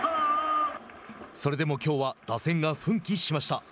それでもきょうは打線が奮起しました。